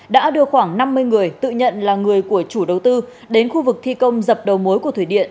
đã đưa khoảng năm mươi người tự nhận là người của chủ đầu tư đến khu vực thi công dập đầu mối của thủy điện